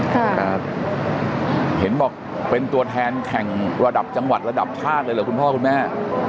ครับเห็นบอกเป็นตัวแทนแข่งระดับจังหวัดระดับชาติเลยเหรอคุณพ่อคุณแม่